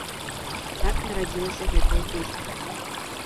Так нарадзілася гэтая песня.